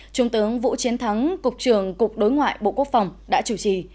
trung tướng vũ chiến thắng cục trưởng cục đối ngoại bộ quốc phòng đã chủ trì